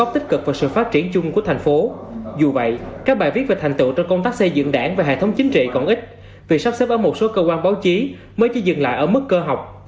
tích cực và sự phát triển chung của thành phố dù vậy các bài viết về thành tựu trong công tác xây dựng đảng và hệ thống chính trị còn ít vì sắp xếp ở một số cơ quan báo chí mới chỉ dừng lại ở mức cơ học